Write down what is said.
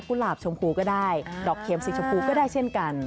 หลาบชมพูก็ได้ดอกเข็มสีชมพูก็ได้เช่นกัน